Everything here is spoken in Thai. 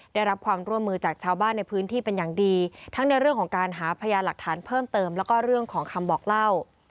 ได้รับความร่วมมือจากชาวบ้านในพื้นที่เป็นอย่างดีทั้งในเรื่องของการหาพยานหลักฐานเพิ่มเติมแล้วก็เรื่องของคำบอกเล่า